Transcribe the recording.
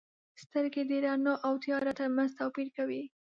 • سترګې د رڼا او تیاره ترمنځ توپیر کوي.